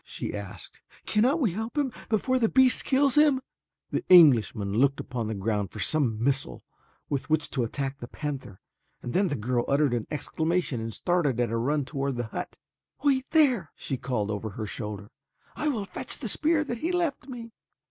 she asked. "Cannot we help him before the beast kills him?" The Englishman looked upon the ground for some missile with which to attack the panther and then the girl uttered an exclamation and started at a run toward the hut. "Wait there," she called over her shoulder. "I will fetch the spear that he left me."